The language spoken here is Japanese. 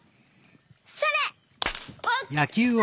それ！